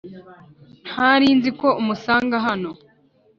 Ntarinziko umusanga hano